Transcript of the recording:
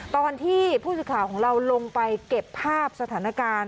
ตอนที่ผู้สื่อข่าวของเราลงไปเก็บภาพสถานการณ์